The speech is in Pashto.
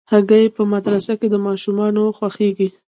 هګۍ په مدرسه کې د ماشومانو خوښېږي.